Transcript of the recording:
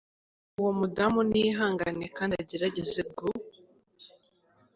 Uwo mudamu ni yihangane kd agerageze gu.